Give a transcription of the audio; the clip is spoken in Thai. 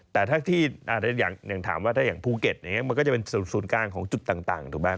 แต่ถ้าที่อย่างถามว่าถ้าอย่างภูเก็ตอย่างนี้มันก็จะเป็นศูนย์กลางของจุดต่างถูกไหม